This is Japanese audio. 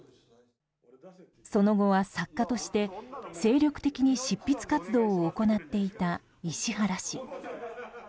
その後は作家として、精力的に執筆活動を行っていた石原氏。